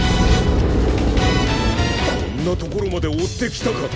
こんなところまでおってきたか！